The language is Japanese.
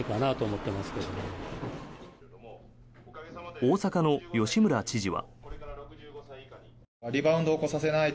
大阪の吉村知事は。